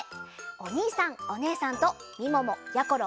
おにいさんおねえさんとみももやころ